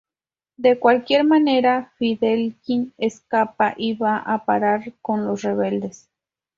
De cualquier manera, Fielding escapa y va a parar con los rebeldes.